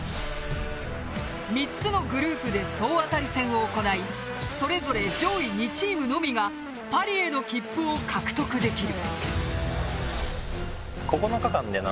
３つのグループで総当たり戦を行いそれぞれ上位２チームのみがパリへの切符を獲得できる。